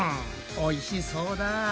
おいしそうだ。